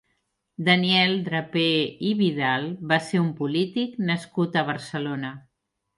Daniel Draper i Vidal va ser un polític nascut a Barcelona.